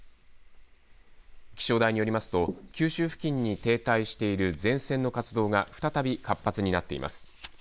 気象台によりますと九州付近に停滞している前線の活動が再び活発になっています。